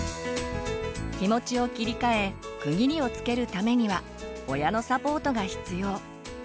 気持ちを切り替え区切りをつけるためには親のサポートが必要。